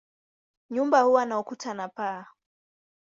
Nyumba huwa na ukuta na paa.